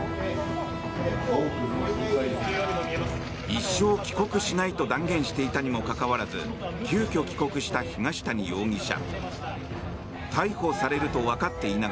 一生帰国しないと断言していたにもかかわらず急きょ帰国した東谷容疑者。